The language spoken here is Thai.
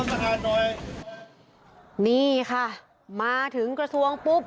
ประธานหน่อยนี่ค่ะมาถึงกระทรวงปุ๊บ